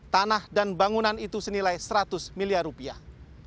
satu ratus dua puluh tanah dan bangunan itu senilai seratus miliar rupiah